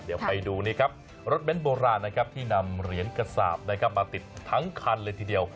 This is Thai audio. เดี๋ยวไปดูรถเบนโบราณที่นำเหรียญกษาบมาติดทั้งคันเลยทีเดียว